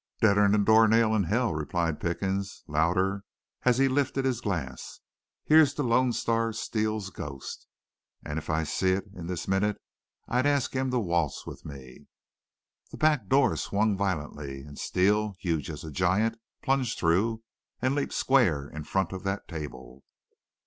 "'Deader 'n a door nail in hell!' replied Pickens, louder, as he lifted his glass. 'Here's to Lone Star Steele's ghost! An' if I seen it this minnit I'd ask it to waltz with me!' "The back door swung violently, and Steele, huge as a giant, plunged through and leaped square in front of that table.